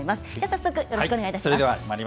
早速よろしくお願いします。